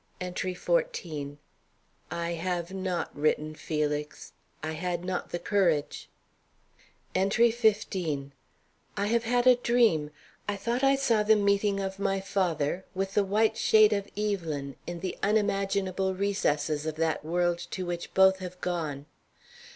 ENTRY XIV. I have not written Felix. I had not the courage. ENTRY XV. I have had a dream. I thought I saw the meeting of my father with the white shade of Evelyn in the unimaginable recesses of that world to which both have gone.